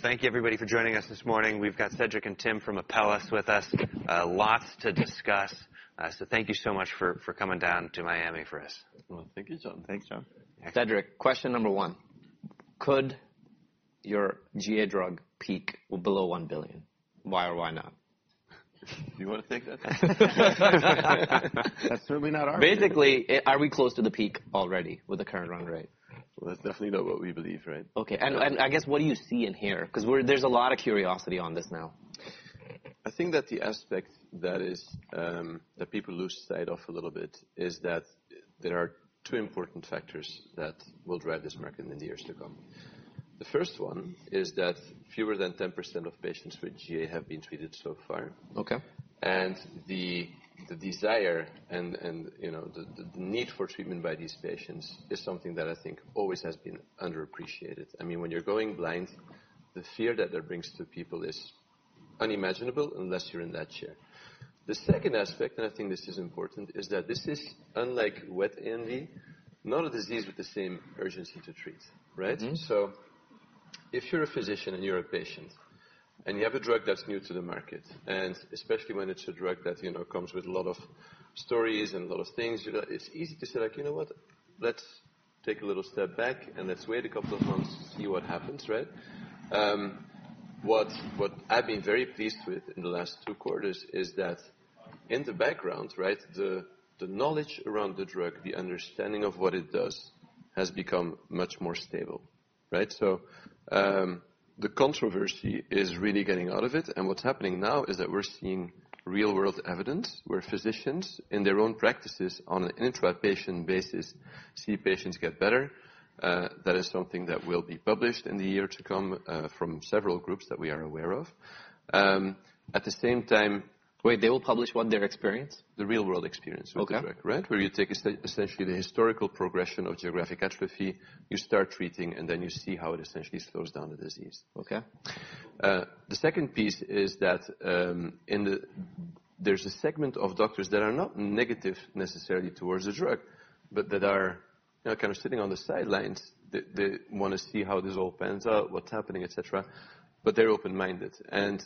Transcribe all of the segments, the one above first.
Thank you, everybody, for joining us this morning. We've got Cedric and Tim from Apellis with us. Lots to discuss. So thank you so much for coming down to Miami for us. Thank you, John. Thanks, John. Cedric, question number one. Could your GA drug peak below $1 billion? Why or why not? Do you want to take that? That's certainly not ours. Basically, are we close to the peak already with the current run rate? That's definitely not what we believe, right? OK. And I guess, what do you see in here? Because there's a lot of curiosity on this now. I think that the aspect that people lose sight of a little bit is that there are two important factors that will drive this market in the years to come. The first one is that fewer than 10% of patients with GA have been treated so far. OK. The desire and the need for treatment by these patients is something that I think always has been underappreciated. I mean, when you're going blind, the fear that that brings to people is unimaginable unless you're in that chair. The second aspect, and I think this is important, is that this is unlike wet NV, not a disease with the same urgency to treat, right? So if you're a physician and you're a patient, and you have a drug that's new to the market, and especially when it's a drug that comes with a lot of stories and a lot of things, it's easy to say, like, you know what, let's take a little step back, and let's wait a couple of months to see what happens, right? What I've been very pleased with in the last two quarters is that in the background, the knowledge around the drug, the understanding of what it does, has become much more stable. So the controversy is really getting out of it. And what's happening now is that we're seeing real-world evidence where physicians, in their own practices, on an in-trial patient basis, see patients get better. That is something that will be published in the year to come from several groups that we are aware of. At the same time. Wait, they will publish what? Their experience? The real-world experience with the drug, right? Where you take essentially the historical progression of geographic atrophy, you start treating, and then you see how it essentially slows down the disease. OK. The second piece is that there's a segment of doctors that are not negative necessarily towards the drug, but that are kind of sitting on the sidelines. They want to see how this all pans out, what's happening, et cetera. But they're open-minded, and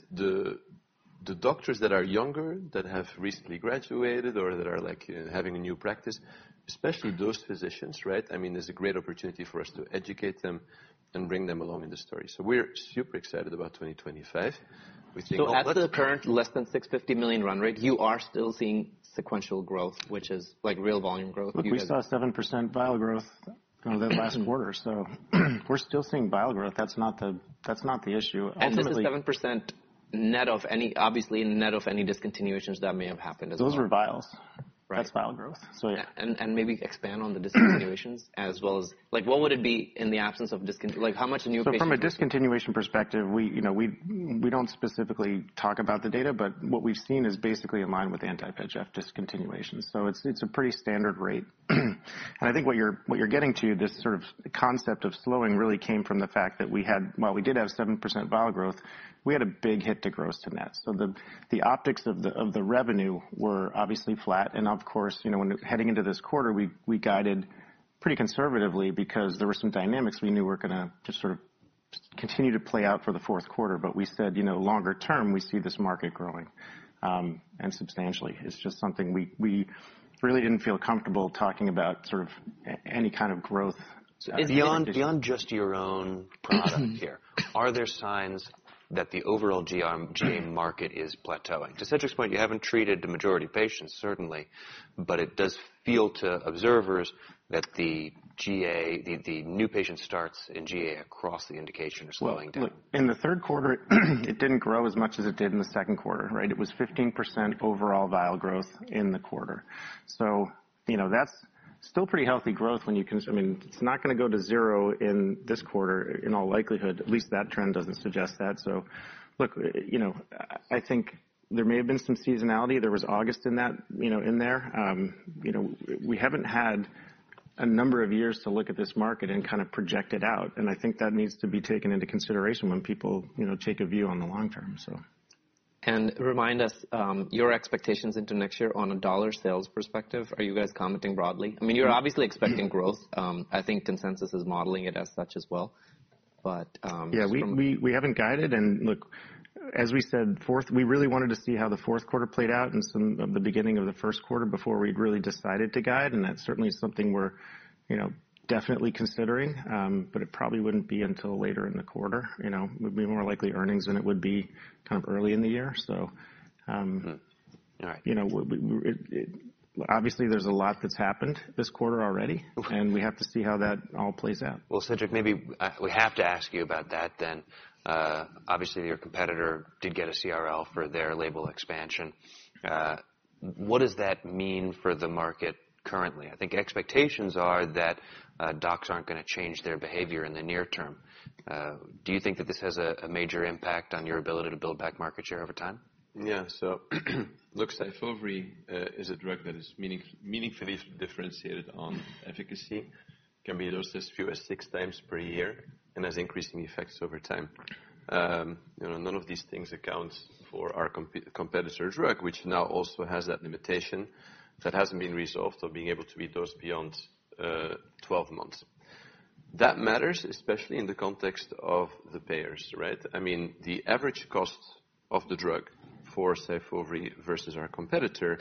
the doctors that are younger, that have recently graduated, or that are having a new practice, especially those physicians, right? I mean, there's a great opportunity for us to educate them and bring them along in the story, so we're super excited about 2025. So at the current less than $650 million run rate, you are still seeing sequential growth, which is like real volume growth? We saw 7% vial growth over the last quarter. So we're still seeing vial growth. That's not the issue. 7% net of any, obviously net of any discontinuations that may have happened as well? Those were vials. That's vial growth. Maybe expand on the discontinuations as well as what would it be in the absence of discontinuation? How much new patients? From a discontinuation perspective, we don't specifically talk about the data. But what we've seen is basically in line with anti-VEGF discontinuations. So it's a pretty standard rate. And I think what you're getting to, this sort of concept of slowing, really came from the fact that we had, while we did have 7% vial growth, we had a big hit to gross to net. So the optics of the revenue were obviously flat. And of course, heading into this quarter, we guided pretty conservatively because there were some dynamics we knew were going to just sort of continue to play out for the fourth quarter. But we said, longer term, we see this market growing and substantially. It's just something we really didn't feel comfortable talking about sort of any kind of growth. Beyond just your own product here, are there signs that the overall GA market is plateauing? To Cedric's point, you haven't treated the majority of patients, certainly. But it does feel to observers that the new patient starts in GA across the indication are slowing down. In the third quarter, it didn't grow as much as it did in the second quarter. It was 15% overall vial growth in the quarter. So that's still pretty healthy growth when you can, I mean, it's not going to go to zero in this quarter in all likelihood. At least that trend doesn't suggest that. So look, I think there may have been some seasonality. There was August in there. We haven't had a number of years to look at this market and kind of project it out. And I think that needs to be taken into consideration when people take a view on the long term. Remind us, your expectations into next year on a dollar sales perspective, are you guys commenting broadly? I mean, you're obviously expecting growth. I think consensus is modeling it as such as well. Yeah, we haven't guided, and look, as we said, we really wanted to see how the fourth quarter played out and some of the beginning of the first quarter before we'd really decided to guide, and that's certainly something we're definitely considering, but it probably wouldn't be until later in the quarter. It would be more likely earnings than it would be kind of early in the year. All right. Obviously, there's a lot that's happened this quarter already, and we have to see how that all plays out. Cedric, maybe we have to ask you about that then. Obviously, your competitor did get a CRL for their label expansion. What does that mean for the market currently? I think expectations are that docs aren't going to change their behavior in the near term. Do you think that this has a major impact on your ability to build back market share over time? Yeah. So Syfovre is a drug that is meaningfully differentiated on efficacy. It can be dosed as few as 6x per year and has increasing effects over time. None of these things account for our competitor's drug, which now also has that limitation that hasn't been resolved of being able to be dosed beyond 12 months. That matters, especially in the context of the payers, right? I mean, the average cost of the drug for Syfovre versus our competitor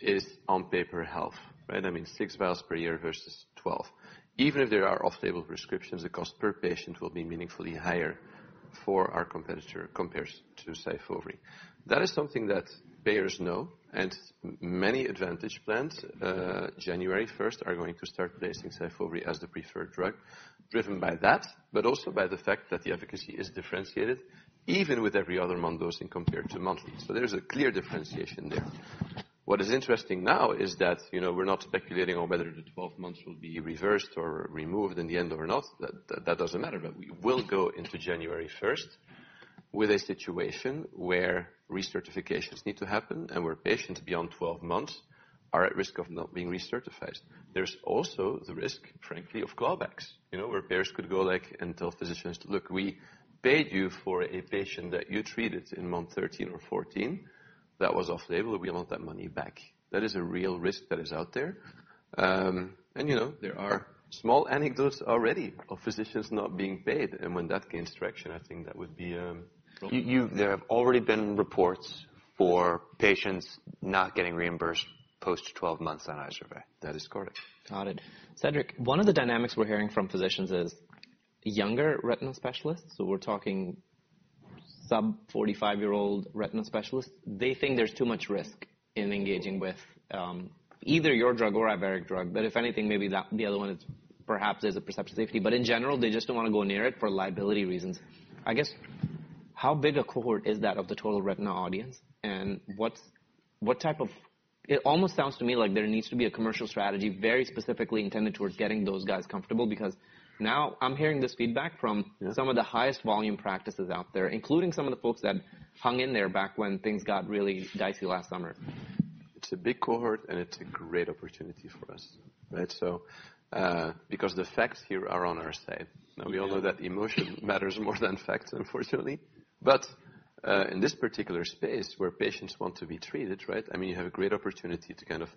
is on paper half, right? I mean, six vials per year versus 12. Even if there are off-label prescriptions, the cost per patient will be meaningfully higher for our competitor compared to Syfovre. That is something that payers know. Many Advantage plans, January 1st, are going to start placing Syfovre as the preferred drug, driven by that, but also by the fact that the efficacy is differentiated, even with every other month dosing compared to monthly. So there's a clear differentiation there. What is interesting now is that we're not speculating on whether the 12 months will be reversed or removed in the end or not. That doesn't matter. But we will go into January 1st with a situation where recertifications need to happen, and where patients beyond 12 months are at risk of not being recertified. There's also the risk, frankly, of clawbacks, where payers could go like and tell physicians, look, we paid you for a patient that you treated in month 13 or 14. That was off-label. We want that money back. That is a real risk that is out there. There are small anecdotes already of physicians not being paid. When that gains traction, I think that would be. There have already been reports for patients not getting reimbursed post 12 months on Syfovre. That is correct. Got it. Cedric, one of the dynamics we're hearing from physicians is younger retina specialists. So we're talking sub-45-year-old retina specialists. They think there's too much risk in engaging with either your drug or Iveric drug. But if anything, maybe the other one is perhaps there's a perception safety. But in general, they just don't want to go near it for liability reasons. I guess, how big a cohort is that of the total retina audience? And what type of it almost sounds to me like there needs to be a commercial strategy very specifically intended towards getting those guys comfortable. Because now I'm hearing this feedback from some of the highest volume practices out there, including some of the folks that hung in there back when things got really dicey last summer. It's a big cohort, and it's a great opportunity for us, right? Because the facts here are on our side. We all know that emotion matters more than facts, unfortunately. But in this particular space, where patients want to be treated, right, I mean, you have a great opportunity to kind of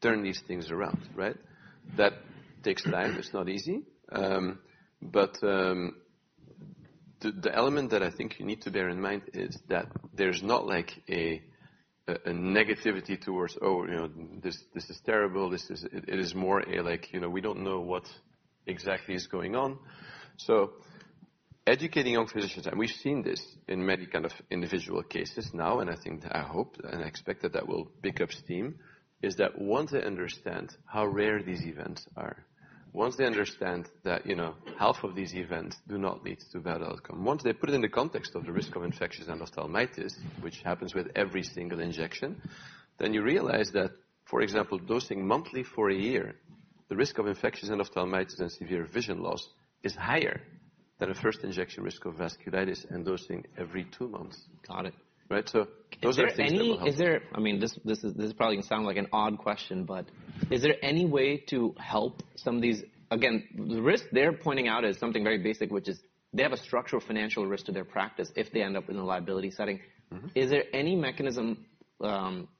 turn these things around, right? That takes time. It's not easy. But the element that I think you need to bear in mind is that there's not like a negativity towards, oh, this is terrible. It is more like we don't know what exactly is going on. So educating young physicians, and we've seen this in many kind of individual cases now, and I think, I hope, and I expect that that will pick up steam, is that once they understand how rare these events are, once they understand that half of these events do not lead to bad outcome, once they put it in the context of the risk of infectious endophthalmitis, which happens with every single injection, then you realize that, for example, dosing monthly for a year, the risk of infectious endophthalmitis and severe vision loss is higher than a first injection risk of vasculitis and dosing every two months. Got it. Right? So those are things we want. I mean, this is probably going to sound like an odd question, but is there any way to help some of these? Again, the risk they're pointing out is something very basic, which is they have a structural financial risk to their practice if they end up in a liability setting. Is there any mechanism,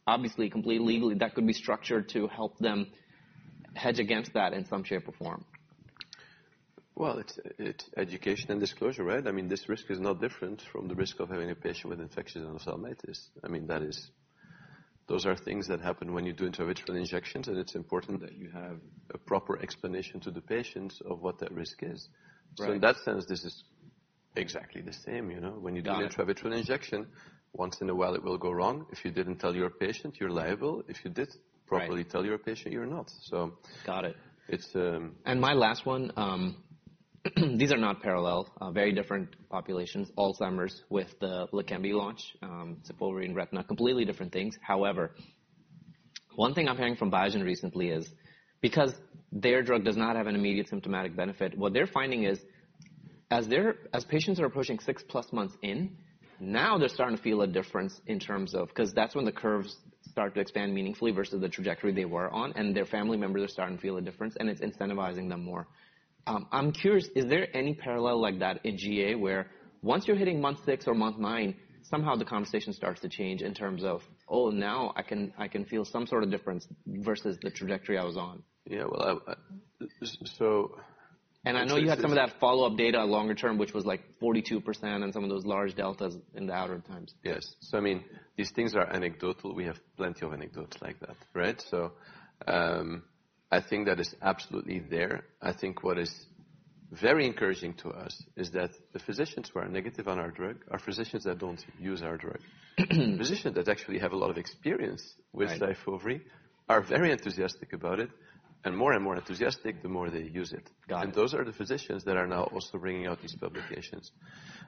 obviously completely legally, that could be structured to help them hedge against that in some shape or form? It's education and disclosure, right? I mean, this risk is not different from the risk of having a patient with infectious endophthalmitis. I mean, those are things that happen when you do intravitreal injections. And it's important that you have a proper explanation to the patients of what that risk is. So in that sense, this is exactly the same. When you do an intravitreal injection, once in a while it will go wrong. If you didn't tell your patient, you're liable. If you did properly tell your patient, you're not. Got it and my last one, these are not parallel, very different populations, Alzheimer's with the Leqembi launch, Syfovre, retina, completely different things. However, one thing I'm hearing from Biogen recently is because their drug does not have an immediate symptomatic benefit, what they're finding is as patients are approaching 6+ months in, now they're starting to feel a difference in terms of because that's when the curves start to expand meaningfully versus the trajectory they were on, and their family members are starting to feel a difference, and it's incentivizing them more. I'm curious, is there any parallel like that in GA where once you're hitting month six or month nine, somehow the conversation starts to change in terms of, oh, now I can feel some sort of difference versus the trajectory I was on? Yeah. And I know you had some of that follow-up data longer term, which was like 42% and some of those large deltas in the outer times. Yes. So I mean, these things are anecdotal. We have plenty of anecdotes like that, right? So I think that is absolutely there. I think what is very encouraging to us is that the physicians who are negative on our drug are physicians that don't use our drug. Physicians that actually have a lot of experience with Syfovre are very enthusiastic about it. And more and more enthusiastic, the more they use it. And those are the physicians that are now also bringing out these publications.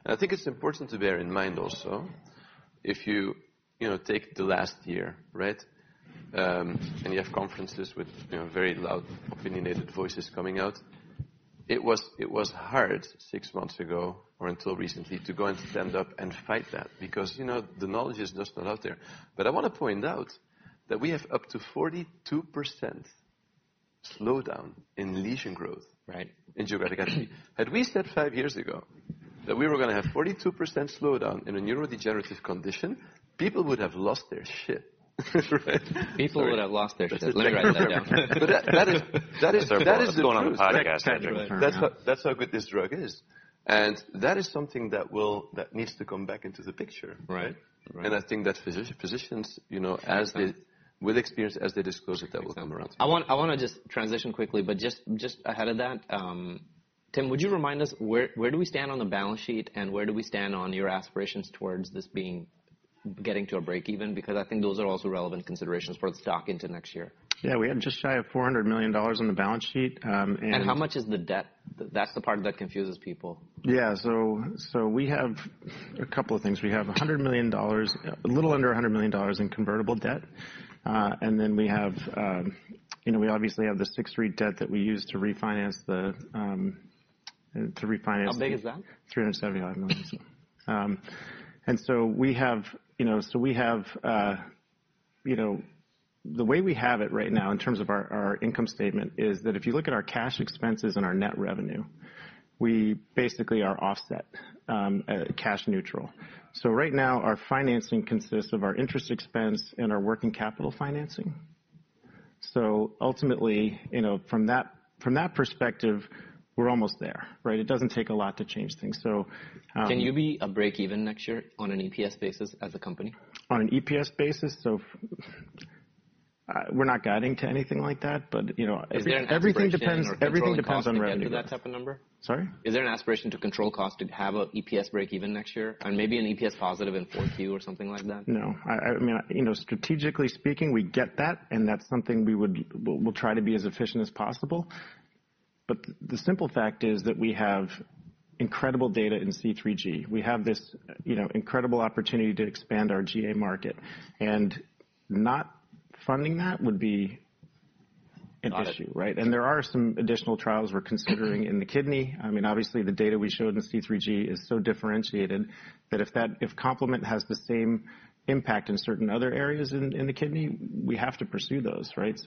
And I think it's important to bear in mind also, if you take the last year, right, and you have conferences with very loud, opinionated voices coming out, it was hard six months ago or until recently to go and stand up and fight that. Because the knowledge is just not out there. But I want to point out that we have up to 42% slowdown in lesion growth in geographic atrophy. Had we said five years ago that we were going to have 42% slowdown in a neurodegenerative condition, people would have lost their shit. People would have lost their shit. Let me write that down. That is what's going on in the podcast, Cedric. That's how good this drug is. And that is something that needs to come back into the picture, right? And I think that physicians, with experience, as they dose it, that will come around. I want to just transition quickly, but just ahead of that, Tim, would you remind us where do we stand on the balance sheet and where do we stand on your aspirations towards this being getting to a break even? Because I think those are also relevant considerations for the stock into next year. Yeah, we had just shy of $400 million on the balance sheet. How much is the debt? That's the part that confuses people. Yeah. So we have a couple of things. We have $100 million, a little under $100 million in convertible debt. And then we obviously have the Sixth Street debt that we use to refinance the. How big is that? $375 million, and so the way we have it right now in terms of our income statement is that if you look at our cash expenses and our net revenue, we basically are offset cash neutral, so right now, our financing consists of our interest expense and our working capital financing, so ultimately, from that perspective, we're almost there, right? It doesn't take a lot to change things. Can you break even next year on an EPS basis as a company? On an EPS basis? So we're not guiding to anything like that. Is there an aspiration to control? Everything depends on revenue. Is there an aspiration to that type of number? Sorry? Is there an aspiration to control cost to have an EPS break even next year and maybe an EPS positive in 4Q or something like that? No. I mean, strategically speaking, we get that. And that's something we'll try to be as efficient as possible. But the simple fact is that we have incredible data in C3G. We have this incredible opportunity to expand our GA market. And not funding that would be an issue, right? And there are some additional trials we're considering in the kidney. I mean, obviously, the data we showed in C3G is so differentiated that if complement has the same impact in certain other areas in the kidney, we have to pursue those, right?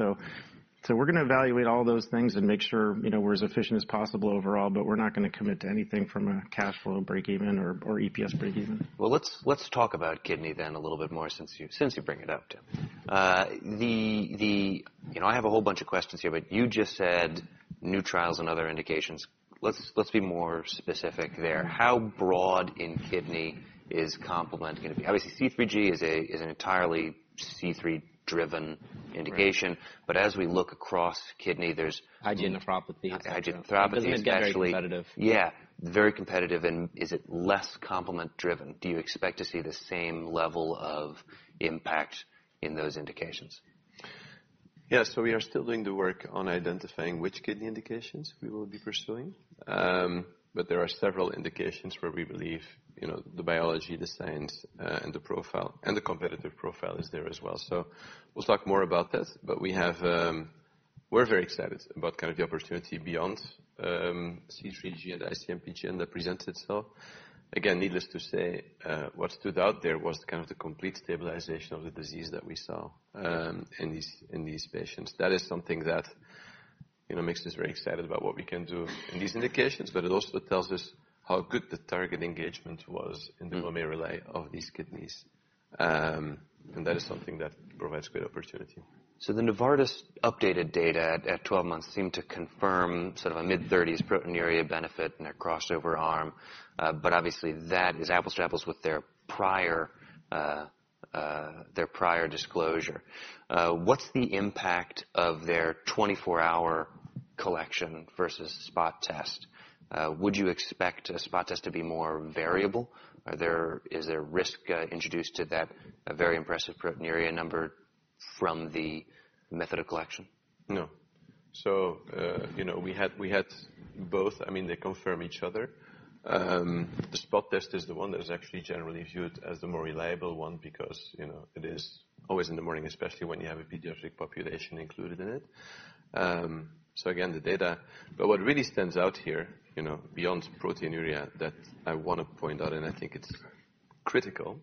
So we're going to evaluate all those things and make sure we're as efficient as possible overall. But we're not going to commit to anything from a cash flow break even or EPS break even. Well, let's talk about kidney then a little bit more since you bring it up, Tim. I have a whole bunch of questions here. But you just said new trials and other indications. Let's be more specific there. How broad in kidney is complement going to be? Obviously, C3G is an entirely C3-driven indication. But as we look across kidney, there's. IgA nephropathy. IgA nephropathy is actually. That's going to be very competitive. Yeah, very competitive. Is it less complement-driven? Do you expect to see the same level of impact in those indications? Yeah. So we are still doing the work on identifying which kidney indications we will be pursuing. But there are several indications where we believe the biology, the science, and the profile and the competitive profile is there as well. So we'll talk more about this. But we're very excited about kind of the opportunity beyond C3G and IC-MPGN and the present itself. Again, needless to say, what stood out there was kind of the complete stabilization of the disease that we saw in these patients. That is something that makes us very excited about what we can do in these indications. But it also tells us how good the target engagement was in the glomeruli of these kidneys. And that is something that provides great opportunity. So the Novartis updated data at 12 months seemed to confirm sort of a mid-30s proteinuria benefit in their crossover arm. But obviously, that is apples to apples with their prior disclosure. What's the impact of their 24-hour collection versus spot test? Would you expect a spot test to be more variable? Is there risk introduced to that very impressive proteinuria number from the method of collection? No. So we had both. I mean, they confirm each other. The spot test is the one that is actually generally viewed as the more reliable one because it is always in the morning, especially when you have a pediatric population included in it. So again, the data. But what really stands out here beyond proteinuria that I want to point out, and I think it's critical,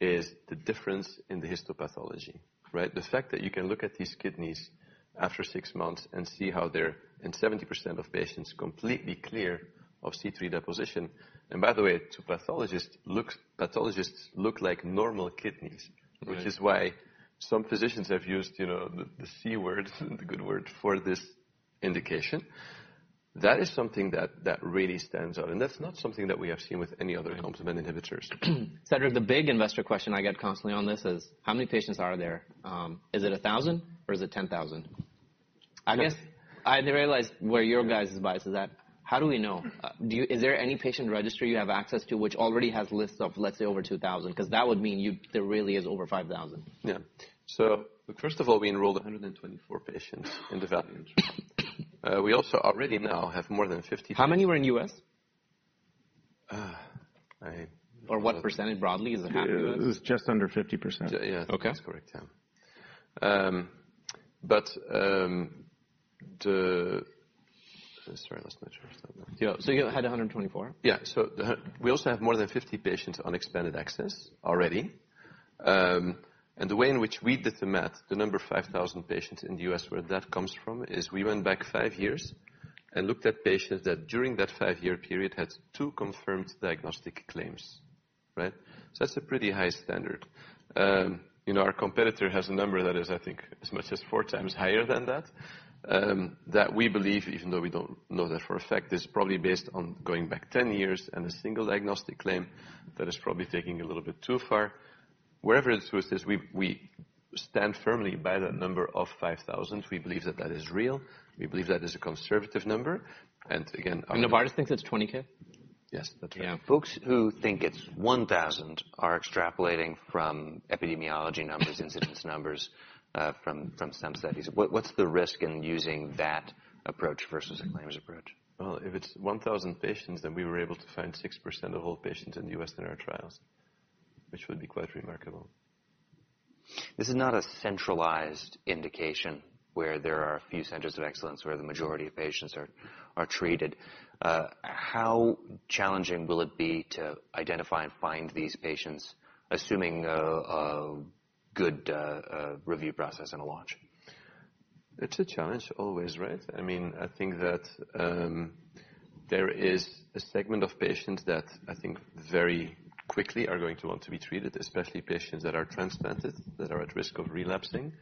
is the difference in the histopathology, right? The fact that you can look at these kidneys after six months and see how they're, in 70% of patients, completely clear of C3 deposition. And by the way, to pathologists, pathologists look like normal kidneys, which is why some physicians have used the C word, the good word, for this indication. That is something that really stands out. And that's not something that we have seen with any other complement inhibitors. Cedric, the big investor question I get constantly on this is, how many patients are there? Is it 1,000 patients or is it 10,000 patients? I guess I didn't realize where your guys' bias is at. How do we know? Is there any patient registry you have access to which already has lists of, let's say, over 2,000 patients? Because that would mean there really is over 5,000 patients. Yeah. So first of all, we enrolled 124 patients in the VALIANT. We also already now have more than 50. How many were in the U.S.? Or what percentage broadly is it in the U.S.? It was just under 50%. Yeah, that's correct, yeah, but sorry, let's make sure. So you had 124 patients? Yeah. So we also have more than 50 patients on expanded access already. And the way in which we did the math, the number 5,000 patients in the U.S. where that comes from is we went back five years and looked at patients that during that five-year period had two confirmed diagnostic claims, right? So that's a pretty high standard. Our competitor has a number that is, I think, as much as four times higher than that, that we believe, even though we don't know that for a fact, is probably based on going back 10 years and a single diagnostic claim that is probably taking a little bit too far. Wherever the truth is, we stand firmly by that number of 5,000. We believe that that is real. We believe that is a conservative number. And again. Novartis thinks it's 20K? Yes. Folks who think it's 1,000 are extrapolating from epidemiology numbers, incidence numbers from some studies. What's the risk in using that approach versus a claims approach? If it's 1,000 patients, then we were able to find 6% of all patients in the U.S. in our trials, which would be quite remarkable. This is not a centralized indication where there are a few centers of excellence where the majority of patients are treated. How challenging will it be to identify and find these patients, assuming a good review process and a launch? It's a challenge always, right? I mean, I think that there is a segment of patients that I think very quickly are going to want to be treated, especially patients that are transplanted, that are at risk of relapsing.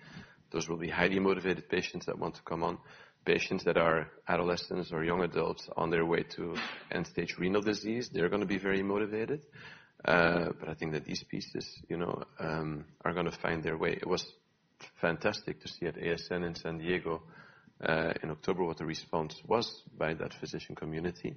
Those will be highly motivated patients that want to come on. Patients that are adolescents or young adults on their way to end-stage renal disease, they're going to be very motivated. But I think that these patients are going to find their way. It was fantastic to see at ASN in San Diego in October what the response was by that physician community.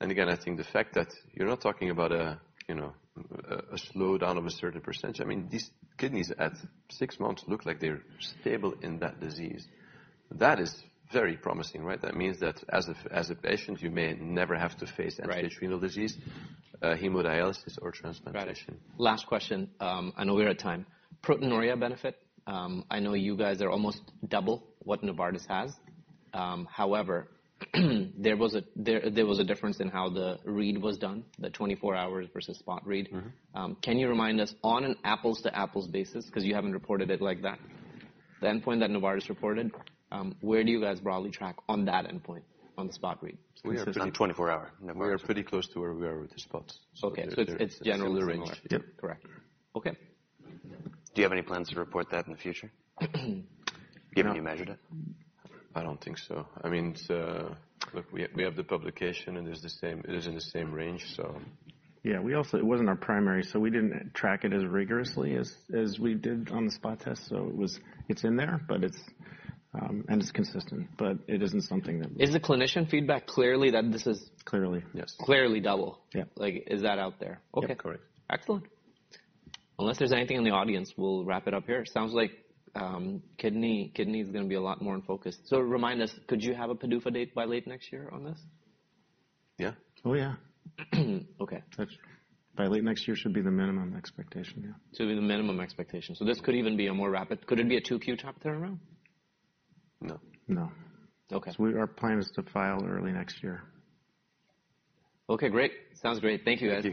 And again, I think the fact that you're not talking about a slowdown of a certain percentage. I mean, these kidneys at six months look like they're stable in that disease. That is very promising, right? That means that as a patient, you may never have to face end-stage renal disease, hemodialysis, or transplantation. Right. Last question. I know we're at time. Proteinuria benefit, I know you guys are almost double what Novartis has. However, there was a difference in how the read was done, the 24-hour versus spot read. Can you remind us on an apples-to-apples basis because you haven't reported it like that? The endpoint that Novartis reported, where do you guys broadly track on that endpoint on the spot read? We have done 24-hour Novartis. We are pretty close to where we are with the spots. Okay, so it's generally similar. Yep. Correct. Okay. Do you have any plans to report that in the future? You haven't measured it? I don't think so. I mean, look, we have the publication, and it is in the same range, so. Yeah. It wasn't our primary, so we didn't track it as rigorously as we did on the spot test. So it's in there, and it's consistent. But it isn't something that. Is the clinician feedback clearly that this is? Clearly, yes. Clearly double? Yeah. Is that out there? Yeah, correct. Excellent. Unless there's anything in the audience, we'll wrap it up here. It sounds like kidney is going to be a lot more in focus. So remind us, could you have a PDUFA date by late next year on this? Yeah. Oh, yeah. Okay. By late next year should be the minimum expectation, yeah. Should be the minimum expectation. So this could even be a more rapid, could it be a 2Q turnaround? No. No. Okay. Our plan is to file early next year. Okay, great. Sounds great. Thank you guys.